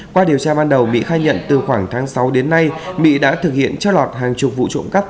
qua điều tra ban đầu mỹ khai nhận từ khoảng tháng sáu đến nay mỹ đã thực hiện trót lọt hàng chục vụ trộm cắp